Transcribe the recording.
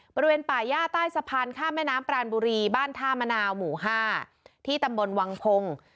บริเวณป่าย่าใต้สะพานข้ามแม่น้ำปรานบุรีบ้านท่ามะนาวหมู่๕ที่ตำบลวังพงศ์